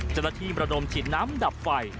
เจ้าหน้าที่ระดมฉีดน้ำดับไฟ